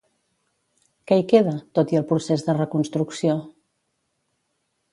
Què hi queda, tot i el procés de reconstrucció?